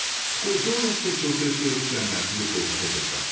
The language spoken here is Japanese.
そこをどうやって調整してロシアに圧力をかけていくか。